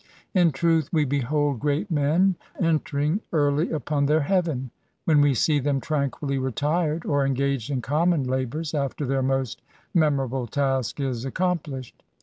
In truth, we behold great men enteripig early upon their heaven, when we see them tranquilly retired, or engaged in common labours, after their most memorable task is accomplished.